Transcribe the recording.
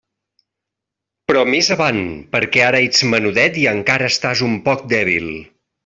Però més avant, perquè ara ets menudet i encara estàs un poc dèbil.